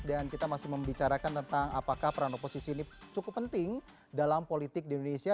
dan kita masih membicarakan tentang apakah peran oposisi ini cukup penting dalam politik di indonesia